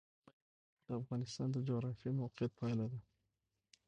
ژمی د افغانستان د جغرافیایي موقیعت پایله ده.